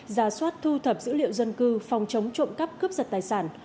giả soát thu thập dữ liệu dân cư phòng chống trộm cắp cướp giật tài sản